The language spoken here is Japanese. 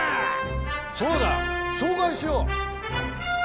そうだ紹介しよう。